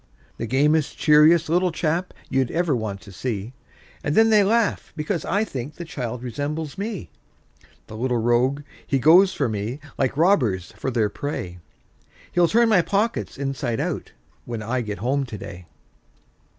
The gamest, cheeriest little chap, you'd ever want to see! And then they laugh, because I think the child resembles me. The little rogue! he goes for me, like robbers for their prey; He'll turn my pockets inside out, when I get home to day.